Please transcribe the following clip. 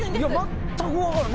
全く分からん。